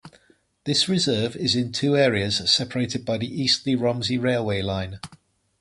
This reserve is in two areas separated by the Eastleigh–Romsey railway line.